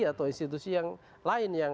atau institusi yang lain yang